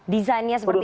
desainnya seperti apa